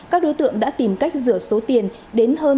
các đối tượng đã tìm cách rửa số tiền đến hơn ba mươi ba tỷ đồng